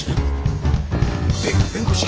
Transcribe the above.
弁護士！？